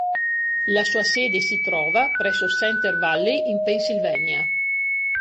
La sua sede si trova presso Center Valley, in Pennsylvania.